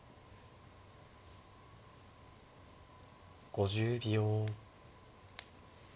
５０秒。